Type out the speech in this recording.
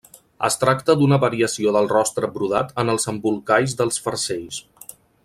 Es tracta d’una variació del rostre brodat en els embolcalls dels farcells.